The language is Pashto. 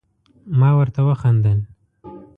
ما ورته وخندل ،